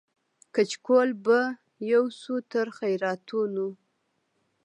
کچکول به یوسو تر خیراتونو